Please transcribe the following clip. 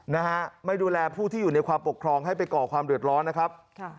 นะฮะไม่ดูแลผู้ที่อยู่ในความปกครองให้ไปก่อความเดือดร้อนนะครับค่ะ